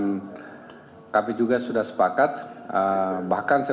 dan kami juga sudah selesai